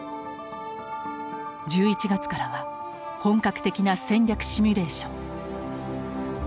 １１月からは本格的な戦略シミュレーション。